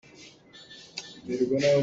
Zun nih ka hru a ngel i a kiak.